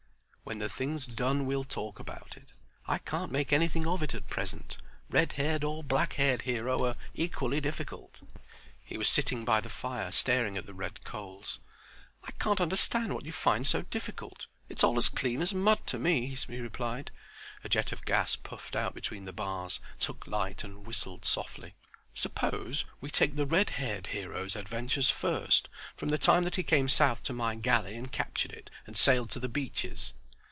"When the thing's done we'll talk about it. I can't make anything of it at present. Red haired or black haired hero are equally difficult." He was sitting by the fire staring at the red coals. "I can't understand what you find so difficult. It's all as clean as mud to me," he replied. A jet of gas puffed out between the bars, took light and whistled softly. "Suppose we take the red haired hero's adventures first, from the time that he came south to my galley and captured it and sailed to the Beaches."